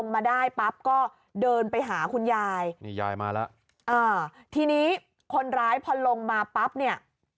มาได้ปั๊บก็เดินไปหาคุณยายนี่ยายมาแล้วอ่าทีนี้คนร้ายพอลงมาปั๊บเนี่ย